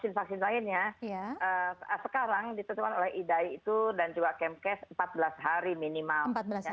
jadi untuk vaksin vaksin lainnya sekarang ditetapkan oleh idai itu dan juga kempkes empat belas hari minimal